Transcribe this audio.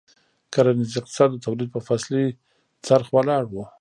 کرنیز اقتصاد د تولید په فصلي څرخ ولاړ و.